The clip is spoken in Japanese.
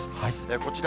こちら、